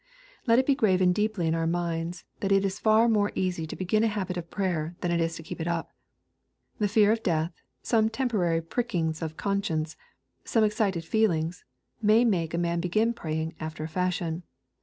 Let it then be graven deeply in our minds, that it is far more easy to begin a habit of prayer than it is to keep it up. The fear of death, — some temporary prick ings of conscience, — some excited feelings, may make a man begin praying, after a fashion.